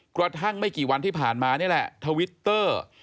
กระทั่งไม่กี่วันที่ผ่านมานี่แหละทวิตเตอร์